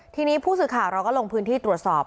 ทีนี้ผู้สื่อข่าวเราก็ลงพื้นที่ตรวจสอบ